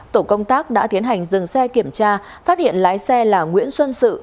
tổ công tác đã tiến hành dừng xe kiểm tra phát hiện lái xe là nguyễn xuân sự